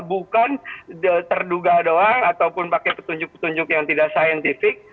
bukan terduga doang ataupun pakai petunjuk petunjuk yang tidak saintifik